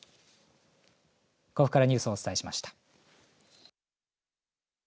甲府からニュースをお伝えしました。